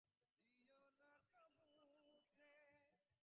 আপনি এত বুদ্ধিমান, অথচ কোত্থেকে কথা বলছি, বুঝতে পারছেন না?